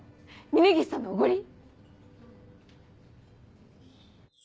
峰岸さんのおごり？